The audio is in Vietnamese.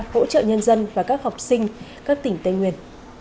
hỗ trợ nhân dân và các học sinh các tỉnh tây nguyên